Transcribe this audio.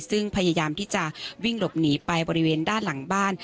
ซึ่งพยายามที่จะวิ่งหลบหนีไปบริเวณด้านหลังบ้าน